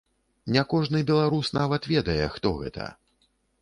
Не кожны беларус нават ведае, хто гэта.